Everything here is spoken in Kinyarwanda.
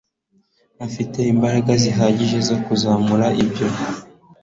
afite imbaraga zihagije zo kuzamura ibyo